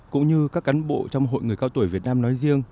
cũng như các cán bộ trong hội người cao tuổi việt nam nói riêng